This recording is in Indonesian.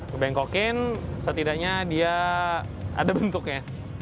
kebengkokin setidaknya dia ada bentuknya